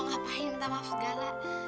ngapain minta maaf segala